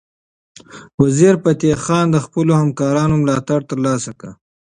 وزیرفتح خان د خپلو همکارانو ملاتړ ترلاسه کړ.